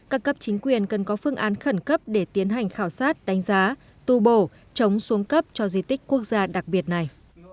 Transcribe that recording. các cấp chính quyền cần có phương án khẩn cấp để tiến hành khảo sát đánh giá tu bổ chống xuống cấp cho di tích quốc gia đặc biệt này